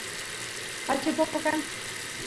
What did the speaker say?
pachay poco kan